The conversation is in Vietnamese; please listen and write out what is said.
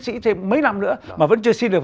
sĩ thêm mấy năm nữa mà vẫn chưa xin được